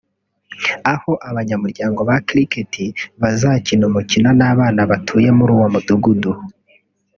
aho abanyamuryango ba Cricket bazakina umukino n’abana batuye muri uwo mudugudu